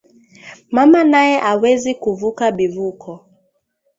Mama naye awezi ku vuka bivuko